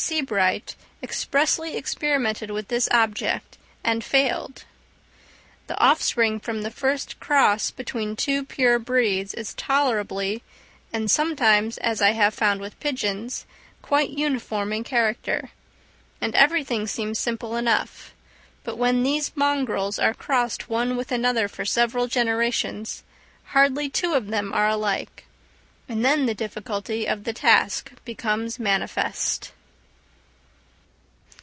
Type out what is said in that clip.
Sebright expressly experimented with this object and failed. The offspring from the first cross between two pure breeds is tolerably and sometimes (as I have found with pigeons) quite uniform in character, and every thing seems simple enough; but when these mongrels are crossed one with another for several generations, hardly two of them are alike, and then the difficulty of the task becomes manifest.